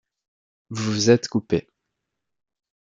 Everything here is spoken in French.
Vous vous êtes coupée.